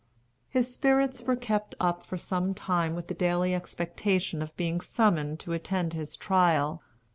His spirits were kept up for some time with the daily expectation of being summoned to attend his trial.